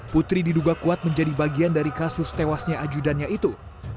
putri diduga kuat menjadi bagian dari kasus tewasnya ajudannya itu